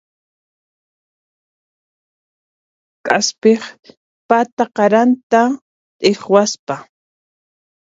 K'aspiq pata qaranta t'iqwasqa.